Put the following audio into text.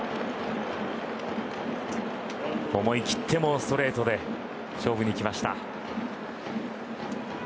思い切ってストレートで勝負にいきました。